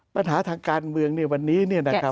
ปัญหาทางการเมืองในวันนี้เนี่ยนะครับ